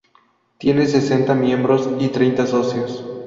Tiene sesenta miembros y treinta socios.